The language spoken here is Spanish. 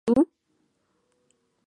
Así que decidieron dejarla allí.